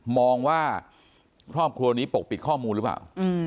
มองว่าครอบครัวนี้ปกปิดข้อมูลหรือเปล่า